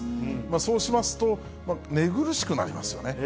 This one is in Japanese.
そうしますと、寝苦しくなりますよね。